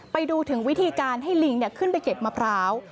ไปดูถึงวิธีการให้ลิงขึ้นไปเก็บมะพร้าว